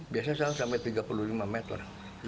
biasanya saya sampai tiga puluh lima meter